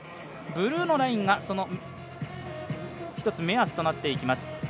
ブルーのラインが１つ目安となっていきます。